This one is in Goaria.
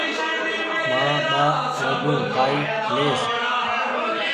مآن ٻآ وجون ڪآئي ليئس